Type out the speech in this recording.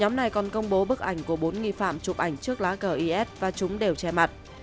nhóm này còn công bố bức ảnh của bốn nghi phạm chụp ảnh trước lá gis và chúng đều che mặt